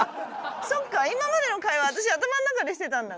そっか今までの会話私頭の中でしてたんだ。